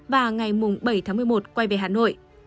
và ngày bảy tháng một mươi một quay về hà nội